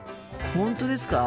本当ですか？